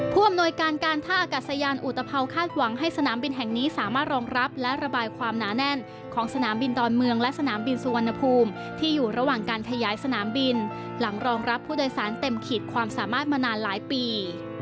อำนวยการการท่าอากาศยานอุตภาวคาดหวังให้สนามบินแห่งนี้สามารถรองรับและระบายความหนาแน่นของสนามบินดอนเมืองและสนามบินสุวรรณภูมิที่อยู่ระหว่างการขยายสนามบินหลังรองรับผู้โดยสารเต็มขีดความสามารถมานานหลายปี